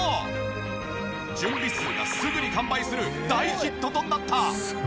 準備数がすぐに完売する大ヒットとなった。